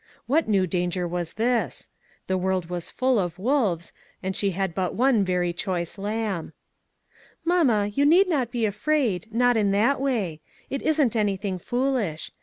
What new danger was this ? The world was full of wolves, and she had but one very choice lamb. " Mamma, you need not be afraid, not in 3/8 ONE COMMONPLACE DAY. that way. It isn't anything foolish.